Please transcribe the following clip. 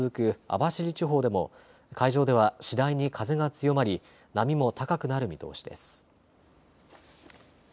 網走地方でも海上では次第に風が強まり波も高くなる見通しです。